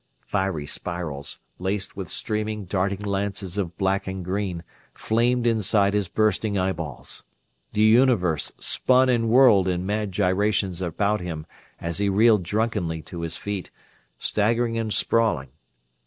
Fiery spirals, laced with streaming, darting lances of black and green, flamed inside his bursting eyeballs. The Universe spun and whirled in mad gyrations about him as he reeled drunkenly to his feet, staggering and sprawling.